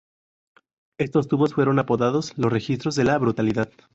Estos tubos fueron apodados "Los Registros de la brutalidad".